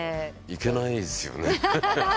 いけないですよね。